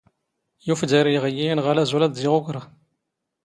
ⵢⵓⴼ ⴷⴰⵔⵉ ⵉⵖ ⵉⵢⵉ ⵉⵏⵖⴰ ⵍⴰⵥ ⵓⵍⴰ ⴷ ⵉⵖ ⵓⴽⵔⵖ.